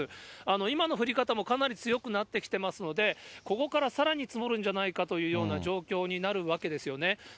今の降り方もかなり強くなってきてますので、ここからさらに積もるんじゃないかというような状況になるわけなんですよね。